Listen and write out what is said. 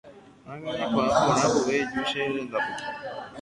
Ág̃a reikuaa porã vove eju che rendápe.